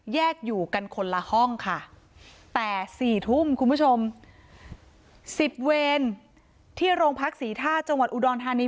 อยู่กันคนละห้องค่ะแต่สี่ทุ่มคุณผู้ชมสิบเวรที่โรงพักศรีท่าจังหวัดอุดรธานี